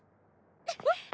えっ⁉